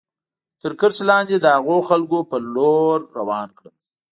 تر کرښې لاندې د هغو خلکو په لور روان کړم.